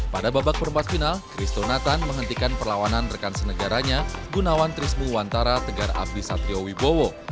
pada babak perempat final christo nathan menghentikan perlawanan rekan senegaranya gunawan trismu wantara tegar abdi satrio wibowo